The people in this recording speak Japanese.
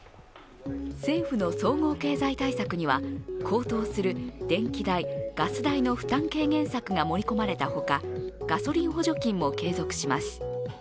政府の総合経済対策には高騰する電気代、ガス代の負担軽減策が盛り込まれたほかガソリン補助金も継続します。